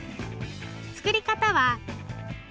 作り方は。